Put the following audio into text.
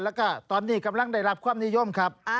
แล้วก็ตอนนี้กำลังได้รับความนิยมครับ